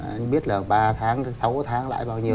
anh biết là ba tháng sáu tháng lãi bao nhiêu